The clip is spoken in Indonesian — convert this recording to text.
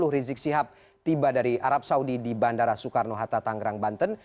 rizik sihab tiba dari arab saudi di bandara soekarno hatta tangerang banten